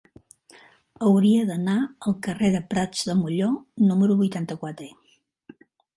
Hauria d'anar al carrer de Prats de Molló número vuitanta-quatre.